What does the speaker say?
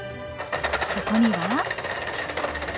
そこには。